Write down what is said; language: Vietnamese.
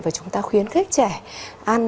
và chúng ta khuyến khích trẻ ăn